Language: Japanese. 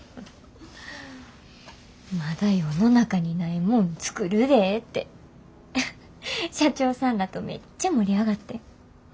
まだ世の中にないもん作るで！って社長さんらとめっちゃ盛り上がってん。